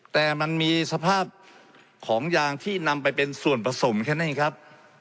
แต่มันมีสภาพของยางที่นำไปเป็นส่วนผสมแค่นั้นเองครับ